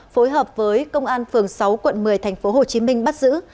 phối hợp với công an phường sáu quận một mươi tp hcm bắt giữ